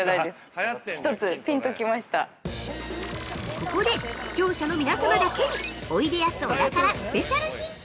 ◆ここで、視聴者の皆様だけにおいでやす小田からスペシャルヒント。